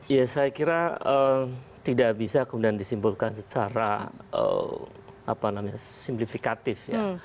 ya saya kira tidak bisa kemudian disimpulkan secara simplifikatif ya